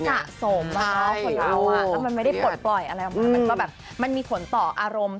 มันไม่ได้ปลดปล่อยมันก็แบบมันมีผลต่ออารมณ์